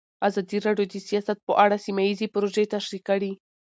ازادي راډیو د سیاست په اړه سیمه ییزې پروژې تشریح کړې.